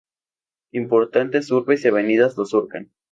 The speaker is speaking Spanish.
Importantes urbes y avenidas lo surcan.